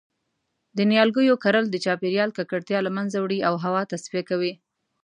د نیالګیو کرل د چاپیریال ککړتیا له منځه وړی او هوا تصفیه کوی